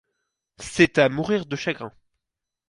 C’est à mourir de chagrin.